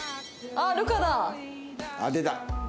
あっ出た。